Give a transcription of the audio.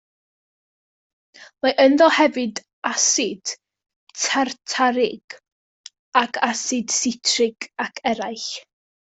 Mae ynddo hefyd asid tartarig ac asid sitrig ac eraill.